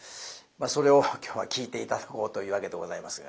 それを今日は聴いて頂こうというわけでございますが。